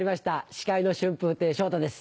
司会の春風亭昇太です。